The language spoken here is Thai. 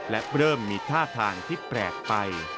และเริ่มมีท่าทางที่แปลกไป